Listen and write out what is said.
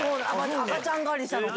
赤ちゃん返りしたのか。